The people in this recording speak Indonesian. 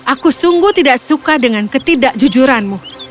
aku sungguh tidak suka dengan ketidakjujuranmu